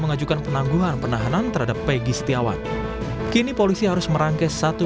mengajukan penangguhan penahanan terhadap peggy setiawan kini polisi harus merangkes satu